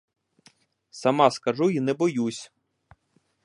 Сама скажу й не боюсь.